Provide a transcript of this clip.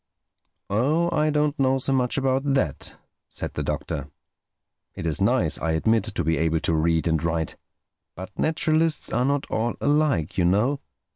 "Oh, I don't know so much about that," said the Doctor. "It is nice, I admit, to be able to read and write. But naturalists are not all alike, you know.